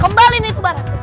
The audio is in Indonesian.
kembali nih itu barang